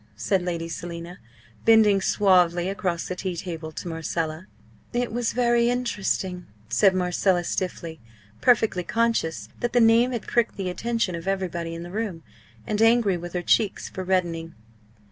said Lady Selina, bending suavely across the tea table to Marcella. "It was very interesting," said Marcella, stiffly perfectly conscious that the name had pricked the attention of everybody in the room, and angry with her cheeks for reddening.